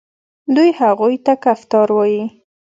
دوی هغوی ته کفتار وايي.